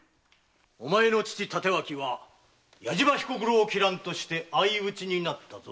お前の父・帯刀は矢島彦九郎を斬らんとして相討ちになったぞ。